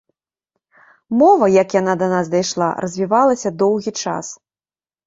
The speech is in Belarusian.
Мова, як яна да нас дайшла, развівалася доўгі час.